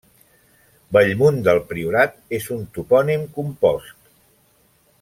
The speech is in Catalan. Bellmunt del Priorat és un topònim compost.